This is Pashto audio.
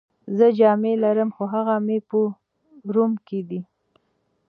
زه جامې لرم، خو هغه مې په روم کي دي.